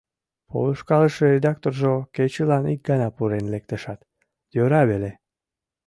Полышкалыше редакторжо кечылан ик гана пурен лектешат, йӧра веле.